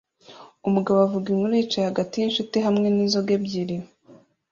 Umugabo avuga inkuru yicaye hagati yinshuti hamwe ninzoga ebyiri